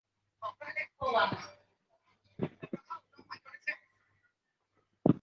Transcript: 中华人民共和国建立初期仍属绥远省。